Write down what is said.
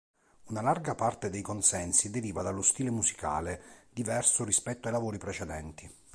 Una larga parte dei consensi deriva dallo stile musicale, diverso rispetto ai lavori precedenti.